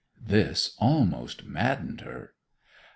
This almost maddened her.